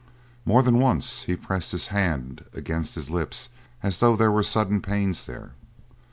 More than once he pressed his hand against his lips as though there were sudden pains there.